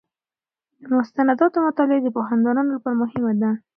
د مستنداتو مطالعه د پوهاندانو لپاره مهمه ده.